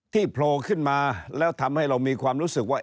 โผล่ขึ้นมาแล้วทำให้เรามีความรู้สึกว่า